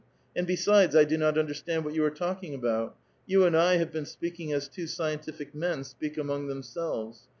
And besides, I do not understand what you are talking about. You and I have been speaking as two scientific men speak among themselves.